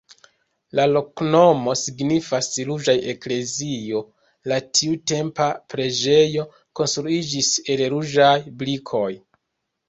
La loknomo signifas: ruĝa-eklezio, la tiutempa preĝejo konstruiĝis el ruĝaj brikoj.